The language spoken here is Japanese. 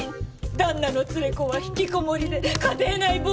旦那の連れ子は引きこもりで家庭内暴力。